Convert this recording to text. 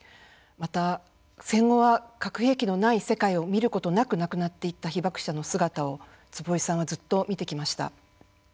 また、戦後は核兵器のない世界を見ることなく亡くなっていった被爆者の姿を坪井さんはずっと見てきました。